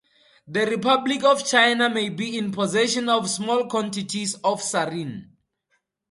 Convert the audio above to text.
The Republic of China may be in possession of small quantities of sarin.